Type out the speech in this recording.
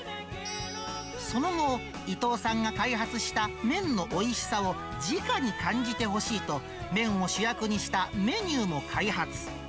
その後、伊藤さんが開発した麺のおいしさをじかに感じてほしいと、麺を主役にしたメニューも開発。